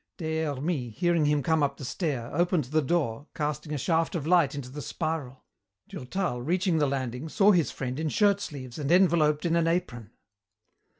Des Hermies, hearing him come up the stair, opened the door, casting a shaft of light into the spiral. Durtal, reaching the landing, saw his friend in shirt sleeves and enveloped in an apron.